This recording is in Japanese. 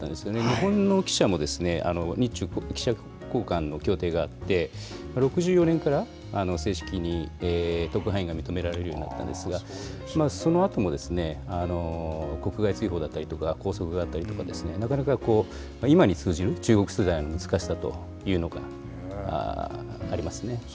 日本の記者も日中記者こうかんの協定があって、６４年から正式に特派員が認められるようになったんですが、そのあとも国外追放だったりだとか、拘束があったりとか、なかなか今に通じる中国取材の難しさというのがありますね。